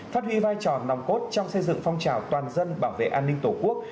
phát huy vai trò nòng cốt trong xây dựng phong trào toàn dân bảo vệ an ninh tổ quốc